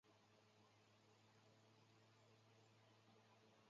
主人公鸭下佑介过着独居生活。